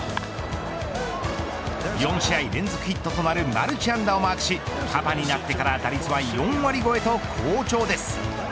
４試合連続ヒットとなるマルチ安打をマークしパパになってから打率は４割超えと好調です。